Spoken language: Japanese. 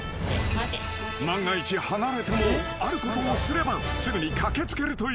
［万が一離れてもあることをすればすぐに駆け付けるという］